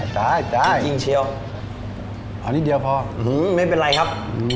ได้ได้จริงเชียวอ๋อนิดเดียวพอหือไม่เป็นไรครับ